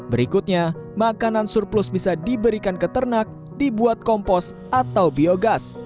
berikutnya makanan surplus bisa diberikan ke ternak dibuat kompos atau biogas